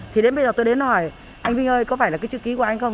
thì đến bây giờ tôi đến hỏi anh vinh ơi có phải là cái chữ ký của anh không